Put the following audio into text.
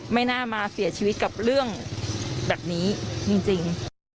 ไม่น่ามาเสียชีวิตกับเรื่องแบบนี้จริง